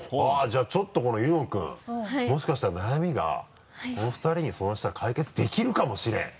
じゃあちょっとこの柚乃君もしかしたら悩みがこの２人に相談したら解決できるかもしれん。